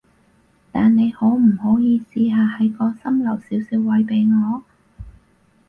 但你可唔可以試下喺個心留少少位畀我？